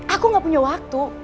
aku gak punya waktu